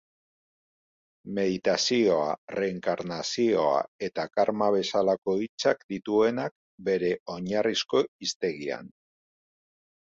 Meditazioa, reenkarnazioa eta karma bezalako hitzak dituenak bere oinarrizko hiztegian.